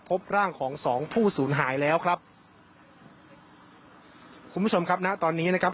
พบร่างของสองผู้สูญหายแล้วครับคุณผู้ชมครับณตอนนี้นะครับ